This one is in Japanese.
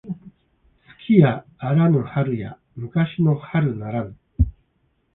月やあらぬ春や昔の春ならぬ